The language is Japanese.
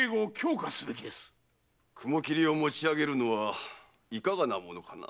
雲切をもち上げるのはいかがなものかな？